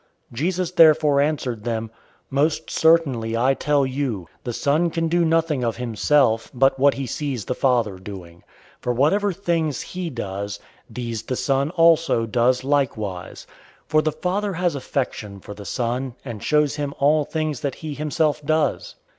005:019 Jesus therefore answered them, "Most certainly, I tell you, the Son can do nothing of himself, but what he sees the Father doing. For whatever things he does, these the Son also does likewise. 005:020 For the Father has affection for the Son, and shows him all things that he himself does.